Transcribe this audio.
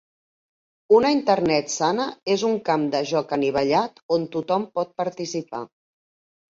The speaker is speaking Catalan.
Una Internet sana és un camp de joc anivellat on tothom pot participar.